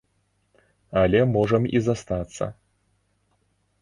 Але можам і застацца.